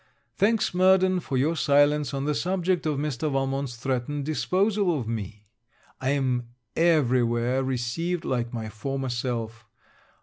Thanks, Murden, for your silence on the subject of Mr. Valmont's threatened disposal of me. I am every where received like my former self.